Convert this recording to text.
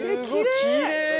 きれい！